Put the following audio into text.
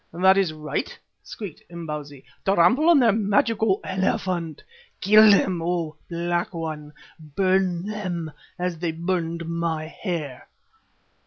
"That is right," squeaked Imbozwi. "Trample on their magic, O Elephant. Kill them, O Black One; burn them as they burned my hair."